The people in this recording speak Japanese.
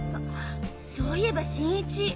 そういえば新一。